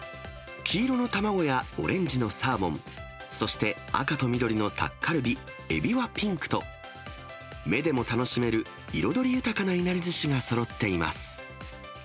黄色の卵やオレンジのサーモン、そして赤と緑のタッカルビ、えびはピンクと、目でも楽しめる、彩り豊かないなりずしがそろっています。